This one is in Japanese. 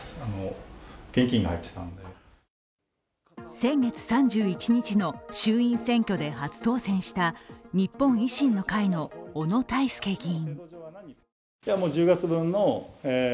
先月３１日の衆院選挙で初当選した日本維新の会の小野泰輔議員。